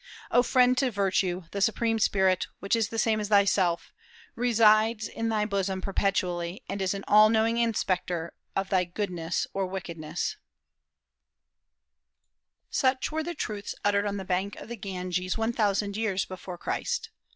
O friend to virtue, the Supreme Spirit, which is the same as thyself, resides in thy bosom perpetually, and is an all knowing inspector of thy goodness or wickedness." Such were the truths uttered on the banks of the Ganges one thousand years before Christ.